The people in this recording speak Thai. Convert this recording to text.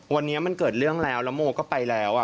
วันนี้มันเกิดเรื่องแล้วแล้วโมก็ไปแล้ว